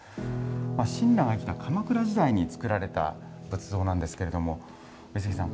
親鸞が生きた鎌倉時代に造られた仏像なんですけれども、上杉さん